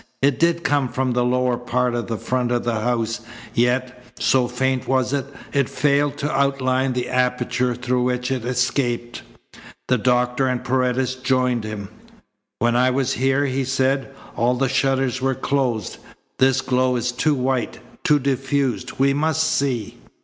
It did come from the lower part of the front of the house, yet, so faint was it, it failed to outline the aperture through which it escaped. The doctor and Paredes joined him. "When I was here," he said, "all the shutters were closed. This glow is too white, too diffused. We must see."